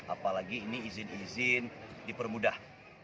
apalagi ini izin izin dipermudah